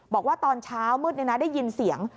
บอกว่าตอนเช้ามืดได้ยินเสียง